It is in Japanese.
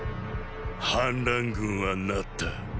反乱軍は成った。